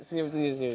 senyum senyum senyum